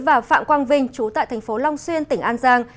và phạm quang vinh chú tại thành phố long xuyên tỉnh an giang